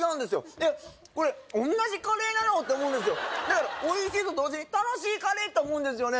えっこれおんなじカレーなのって思うんですよだからおいしいと同時に楽しいカレーって思うんですよね